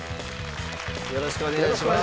よろしくお願いします。